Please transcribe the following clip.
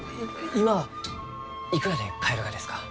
今はいくらで買えるがですか？